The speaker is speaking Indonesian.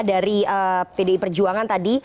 dari pd pejuangan tadi